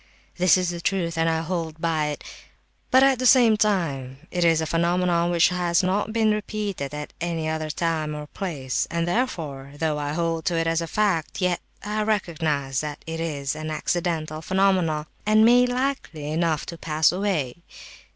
This is the truth, and I hold by it; but at the same time it is a phenomenon which has not been repeated at any other time or place; and therefore, though I hold to it as a fact, yet I recognize that it is an accidental phenomenon, and may likely enough pass away.